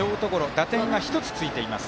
打点が１つついています。